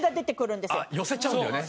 寄せちゃうんだよね。